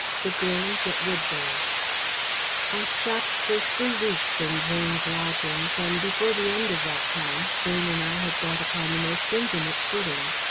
THE GRANGE AT WOODBURY I stopped for three weeks in Jane's lodgings; and before the end of that time, Jane and I had got upon the most intimate footing.